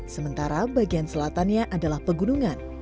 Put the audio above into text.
sementara bagian selatannya adalah pegunungan